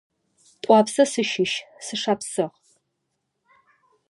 T'uapse sışış, sışşapsığ.